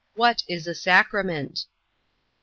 What is a sacrament? A.